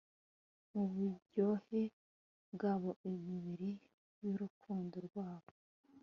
Muburyohe bwabo imibiri yurukundo rwabo